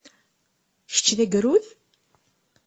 Kečč d agrud?